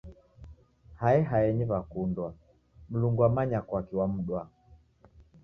Hae haenyi w'akundwa, mlungu wamanya kwaki wamudwa